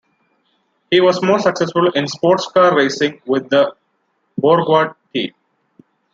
He was more successful in sports car racing with the Borgward team.